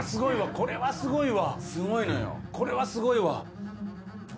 これはすごいわ。